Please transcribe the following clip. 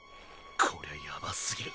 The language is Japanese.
こりゃやばすぎる。